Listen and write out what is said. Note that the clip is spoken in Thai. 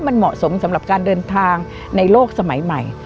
มันเหมาะสมสำหรับการเดินทางในโลกสมัยใหม่